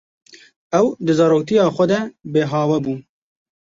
Ew di zaroktiya xwe de bêhawe bû.